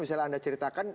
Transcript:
misalnya anda ceritakan